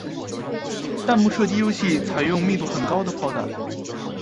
弹幕射击游戏则采用密度很高的炮弹。